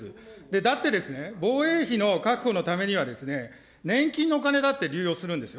だってですね、防衛費の確保のためには、年金のお金だって流用するんですよ。